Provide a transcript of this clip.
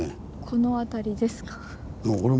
この辺りですか？